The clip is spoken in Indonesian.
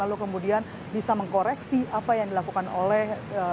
lalu kemudian bisa mengkoreksi apa yang dilakukan oleh